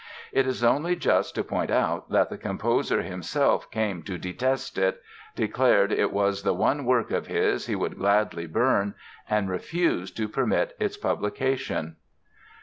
It is only just to point out that the composer himself came to detest it, declared it was the one work of his he would gladly burn and refused to permit its publication.